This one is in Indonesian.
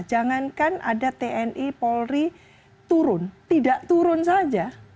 jangankan ada tni polri turun tidak turun saja